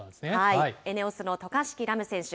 ＥＮＥＯＳの渡嘉敷来夢選手。